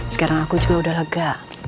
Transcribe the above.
sekarang aku juga udah lega